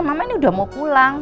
mama ini udah mau pulang